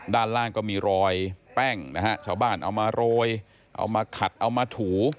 ด้านล่างก็มีรอยแป้งนะฮะชาวบ้านเอามาโรยเอามาขัดเอามาถู